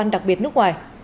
đặc biệt nước ngoài